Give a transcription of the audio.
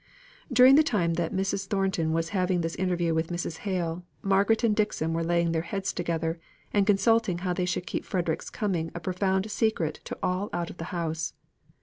During the time that Mrs. Thornton was having this interview with Mrs. Hale, Margaret and Dixon were laying their heads together and consulting how they should keep Frederick's coming a profound secret to all out of the house.